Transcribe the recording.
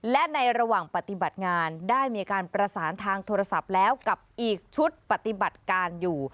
และในระหว่างปฏิบัติงานได้มีการประสานทางโทรศัพท์แล้วกับอีกชุดปฏิบัติการอยู่